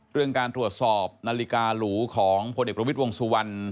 เรื่องการตรวจสอบนาฬิกาหรูของพลเอกประวิทย์วงสุวรรณ